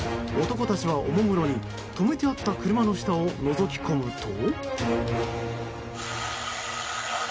男たちはおもむろに止めてあった車の下をのぞき込むと。